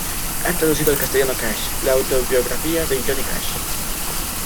Ha traducido al castellano "Cash", la autobiografía de Johnny Cash.